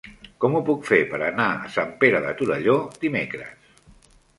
Com ho puc fer per anar a Sant Pere de Torelló dimecres?